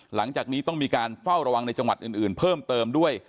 หลังจากนี้ต้องมีการเฝ้าระวังในจังหวัดอื่นเพิ่มเติมด้วย